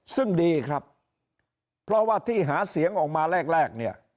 ซึ่งดีครับเพราะว่าที่หาเสียงออกมาแรกแรกเนี่ย